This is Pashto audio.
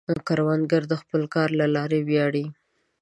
کروندګر د خپل کار له لارې ویاړي